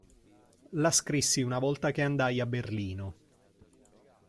La scrissi una volta che andai a Berlino.